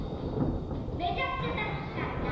めちゃくちゃたのしかった！